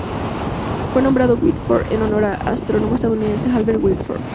Fue nombrado Whitford en honor al astrónomo estadounidense Albert Whitford.